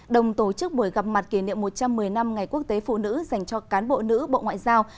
đồng tổ chức buổi gặp mặt kỷ niệm một trăm một mươi năm ngày quốc tế phụ nữ dành cho cán bộ nữ bộ ngoại giao